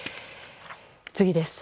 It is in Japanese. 次です。